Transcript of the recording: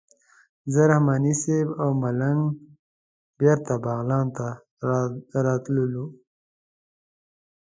زه رحماني صیب او ملنګ بېرته بغلان ته راتللو.